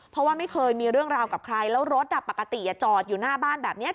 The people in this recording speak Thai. เพราะว่าไม่เคยมีเรื่องราวกับใครแล้วรถปกติจอดอยู่หน้าบ้านแบบนี้